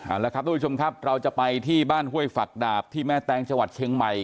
เอาละครับทุกผู้ชมครับเราจะไปที่บ้านห้วยฝักดาบที่แม่แตงจังหวัดเชียงใหม่